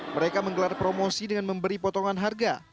mereka menggelar promosi dengan memberi potongan harga